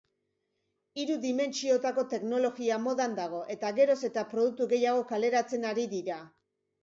Hiru dimentsiotako teknologia modan dago eta geroz eta produktu gehiago kaleratzen ari dira.